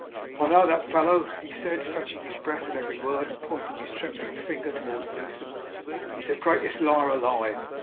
'I know that fellow,' he said, fetching his breath at every word, and pointing his trembling finger towards Lewsome. 'He's the greatest liar alive.